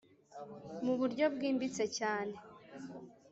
mu buryo bwimbitse cyane